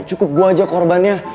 cukup gue aja korbannya